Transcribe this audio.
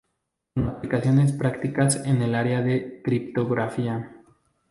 Con aplicaciones prácticas en el área de la criptografía.